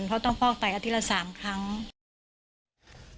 เพราะต้องฟอกไปอาทิตย์ละ๓ครั้ง